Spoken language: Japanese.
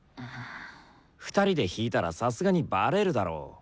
２人で弾いたらさすがにバレるだろ。